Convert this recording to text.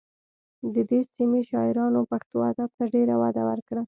د دې سیمې شاعرانو پښتو ادب ته ډېره وده ورکړه